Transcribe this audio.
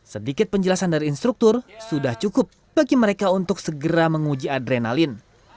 sedikit penjelasan dari instruktur sudah cukup bagi mereka untuk segera menguji adrenalin